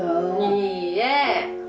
いいえ。